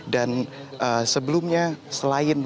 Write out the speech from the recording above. dan sebelumnya selain